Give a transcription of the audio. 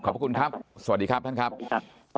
ขอบคุณครับสวัสดีครับท่านครับสวัสดีครับ